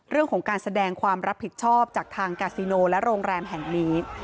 เรื่องของการแสดงความรับผิดชอบจากทางกาซิโนและโรงแรมแห่งนี้